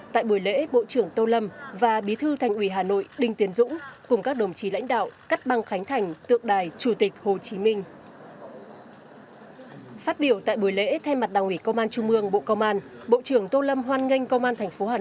tại buổi lễ bộ trưởng tô lâm và bí thư thành ủy hà nội đinh tiến dũng cùng các đồng chí lãnh đạo cắt băng khánh thành tượng đài chủ tịch hồ chí minh